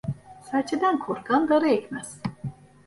Serçeden korkan darı ekmez.